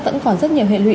vẫn còn rất nhiều hệ lụy